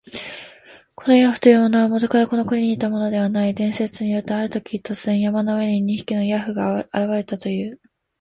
このヤーフというものは、もとからこの国にいたものではない。伝説によると、あるとき、突然、山の上に二匹のヤーフが現れたという。